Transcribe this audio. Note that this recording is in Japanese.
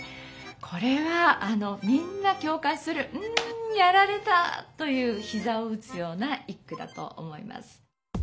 これはみんなきょう感する「んやられた」というひざをうつような一句だと思います。